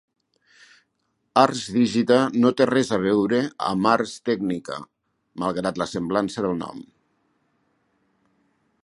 ArsDigita no té res a veure amb Ars Technica, malgrat la semblança del nom.